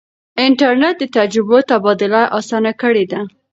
انټرنیټ د تجربو تبادله اسانه کړې ده.